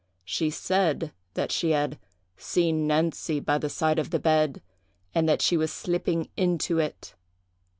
She said that she had 'seen Nancy by the side of the bed, and that she was slipping into it.